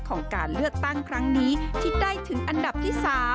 ของการเลือกตั้งครั้งนี้ที่ได้ถึงอันดับที่๓